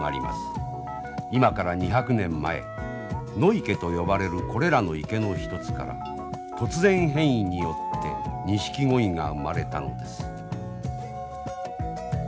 今から２００年前野池と呼ばれるこれらの池の一つから突然変異によってニシキゴイが生まれたのです。